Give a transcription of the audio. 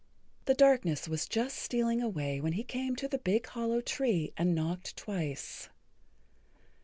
The darkness was just stealing away when he came to the big hollow tree and knocked twice.